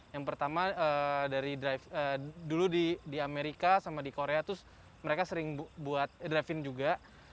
yang pertama dari drive dulu di amerika sama di korea terus mereka sering buat driving juga